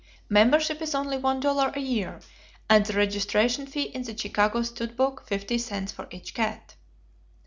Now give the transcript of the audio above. Membership is only one dollar a year, and the registration fee in the Chicago stud book fifty cents for each cat.